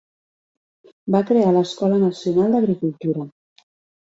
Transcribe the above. Va crear l'Escola Nacional d'Agricultura.